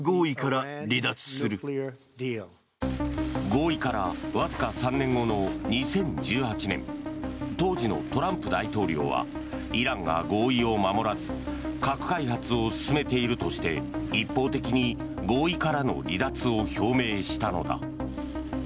合意からわずか３年後の２０１８年当時のトランプ大統領はイランが合意を守らず核開発を進めているとして一方的に合意からの離脱を表明したのだ。